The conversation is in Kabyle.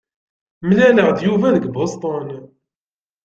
Mlaleɣ-d Yuba deg Boston.